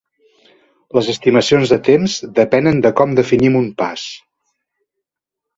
Les estimacions de temps depenen de com definim un pas.